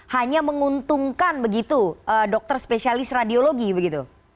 hanya menguntungkan dokter spesialis radiologi